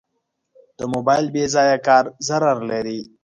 د موبایل بېځایه کار ضرر لري.